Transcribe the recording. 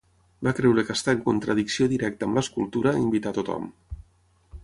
Va creure que està en "contradicció directa amb l"escultura" invitar a tothom.